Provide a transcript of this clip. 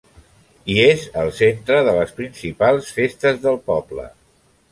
I és el centre de les principals festes del poble: